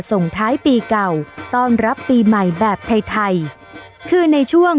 ส่งท้ายปีเก่าต้อนรับปีใหม่แบบไทยไทยคือในช่วง